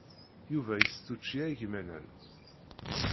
Yuba isett učči agmanan.